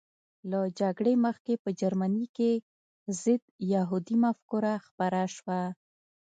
له جګړې مخکې په جرمني کې ضد یهودي مفکوره خپره شوه